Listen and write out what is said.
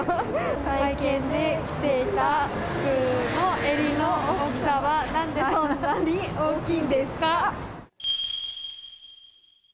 会見で着ていた服の襟の大きさはなんでそんなに大きいんですか？